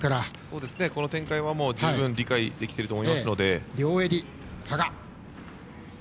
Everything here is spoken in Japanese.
この展開は十分理解できていると思いますので。